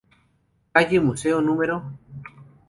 Calle Museo No.